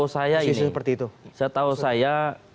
sisi seperti itu saya tahu saya